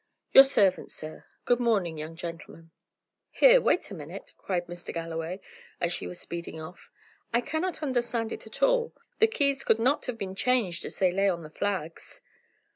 Your servant, sir. Good morning, young gentlemen!" "Here, wait a minute!" cried Mr. Galloway, as she was speeding off. "I cannot understand at all. The keys could not have been changed as they lay on the flags."